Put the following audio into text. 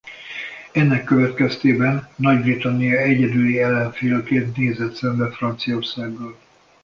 Ennek következtében Nagy-Britannia egyedüli ellenfélként nézett szembe Franciaországgal.